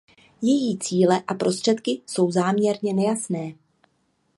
Její cíle a prostředky jsou záměrně nejasné.